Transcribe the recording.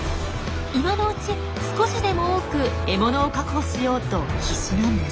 今のうち少しでも多く獲物を確保しようと必死なんです。